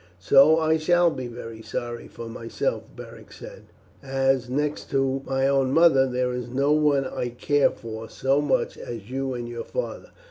"So I shall be very sorry for myself," Beric said; "as, next to my own mother, there is no one I care for so much as you and your father.